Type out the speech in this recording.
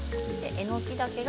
えのきだけは？